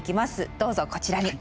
どうぞこちらに。